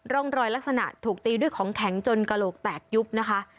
ร่องรอยลักษณะถูกตีด้วยของแข็งจนกระโหลกแตกยุบนะคะ